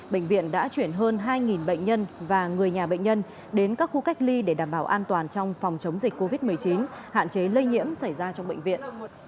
bệnh viện đã chuyển hơn hai bệnh nhân và người nhà bệnh nhân đến các khu cách ly để đảm bảo an toàn trong phòng chống dịch covid một mươi chín hạn chế lây nhiễm xảy ra trong bệnh viện